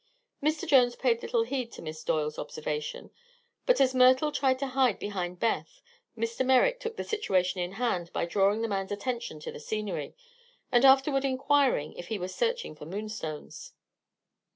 Mr. Jones paid little heed to Miss Doyle's observation, but as Myrtle tried to hide behind Beth Mr. Merrick took the situation in hand by drawing the man's attention to the scenery, and afterward inquiring if he was searching for moonstones.